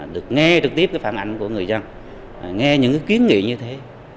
được nghe trực tiếp phản ảnh của người dân nghe những kiến nghị